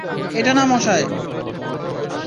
এটা না, মশাই!